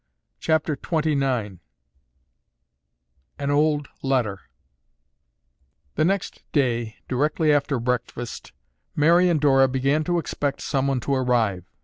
CHAPTER XXIX AN OLD LETTER The next day, directly after breakfast, Mary and Dora began to expect someone to arrive.